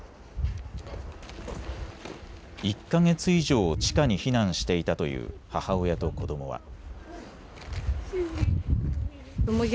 １か月以上、地下に避難していたという母親と子どもは。